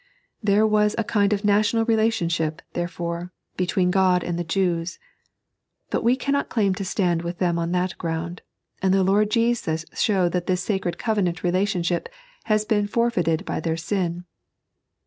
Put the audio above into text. There was a kind of national relationship, therefore, between Ood and the Jews. But we cannot claim to stand with them on that ground, and the Lord Jesus showed that this sacred covenant relaticmship has been forfeited by their sin.